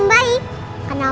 kamu harus mencari